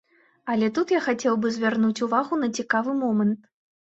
Але тут я хацеў бы звярнуць увагу на цікавы момант.